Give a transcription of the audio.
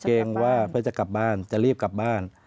เกรงว่าเพื่อจะกลับบ้านจะรีบกลับบ้าน